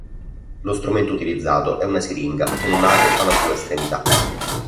Lo strumento utilizzato è una siringa con un ago alla sua estremità.